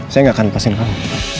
saya gak akan lepasin kamu